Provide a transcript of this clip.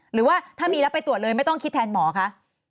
หรือว่าถ้ามีแล้วไปตรวจเลยไม่ต้องคิดแทนหมอคะ